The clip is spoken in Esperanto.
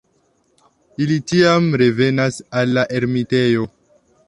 Ili tiam revenas al la ermitejo.